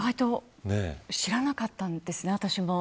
意外と知らなかったんですね